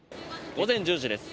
午前１０時です。